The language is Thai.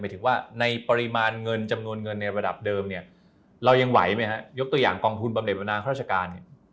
ถึงว่าในปริมาณเงินจำนวนเงินในระดับเดิมเนี่ยเรายังไหวไหมฮะยกตัวอย่างกองทุนบำเน็ตบนาข้าราชการเนี่ย